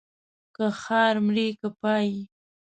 که ښار مرې که پايي.